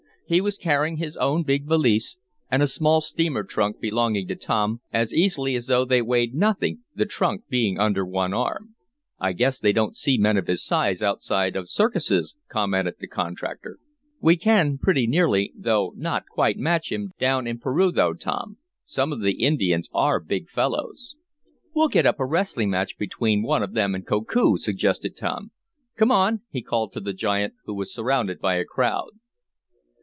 He was carrying his own big valise, and a small steamer trunk belonging to Tom, as easily as though they weighed nothing, the trunk being under one arm. "I guess they don't see men of his size outside of circuses," commented the contractor. "We can pretty nearly, though not quite match him, down in Peru though, Tom. Some of the Indians are big fellows." "We'll get up a wrestling match between one of them and Koku," suggested Tom. "Come on!" he called to the giant, who was surrounded by a crowd.